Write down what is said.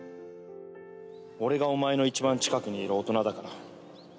俺がお前の一番近くにいる大人だから。